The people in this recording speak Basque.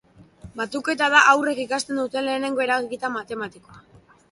Batuketa da haurrek ikasten duten lehenengo eragiketa matematikoa.